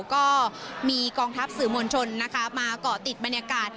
ก็มีกองทัพสื่อมวลชนนะคะมาเกาะติดบรรยากาศ